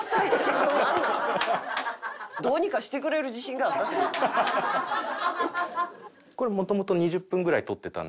どうにかしてくれる自信があったって事？